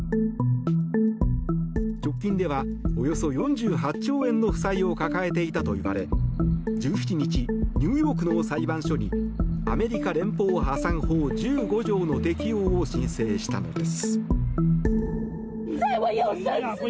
直近ではおよそ４８兆円の負債を抱えていたといわれ１７日、ニューヨークの裁判所にアメリカ連邦破産法１５条の適用を申請したのです。